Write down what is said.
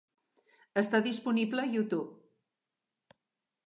Està disponible a YouTube.